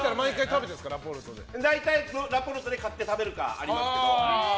大体、ラ・ポルトで買って食べるかありますけど。